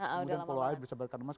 kemudian kalau saya bisa berikan emas